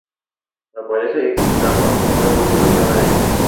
La pareja excava un nuevo nido cada año.